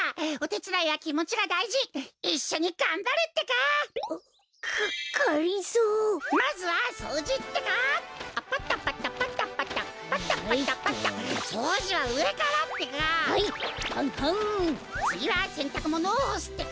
つぎはせんたくものをほすってか！